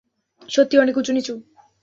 সত্যিই অনেক উঁচুনিচু।